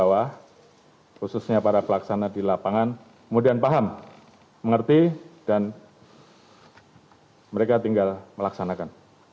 bahwa khususnya para pelaksana di lapangan kemudian paham mengerti dan mereka tinggal melaksanakan